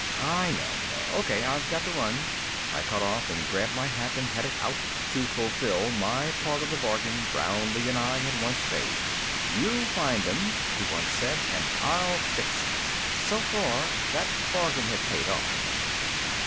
"I know. O.K.; I've got to run." I cut off, grabbed my hat, and headed out to fulfill my part of the bargain Brownlee and I had once made. "You find 'em," he'd once said, "and I'll fix 'em." So far, that bargain had paid off.